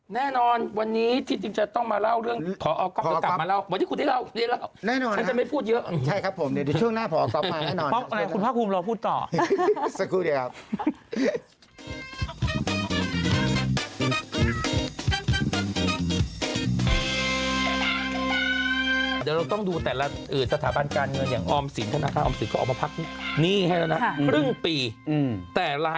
แน่นอนวันนี้ที่จริงจะต้องมาเล่าเรื่องขอออกก็กลับมาเล่าวันนี้คุณได้เล่า